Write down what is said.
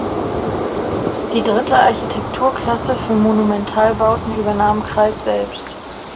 Die dritte Architekturklasse für „Monumentalbauten“ übernahm Kreis selbst.